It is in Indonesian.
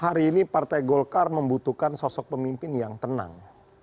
hari ini partai golkar membutuhkan sosok pemimpin yang tenang